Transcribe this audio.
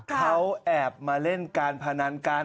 เขาแอบมาเล่นการพนันกัน